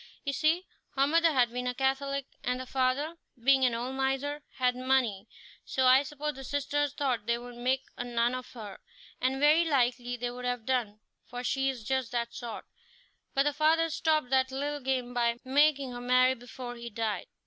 You see, her mother had been a Catholic, and the father, being an old miser, had money, so I suppose the sisters thought they could make a nun of her; and very likely they would have done, for she is just that sort, but the father stopped that little game by making her marry before he died."